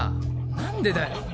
何でだよ？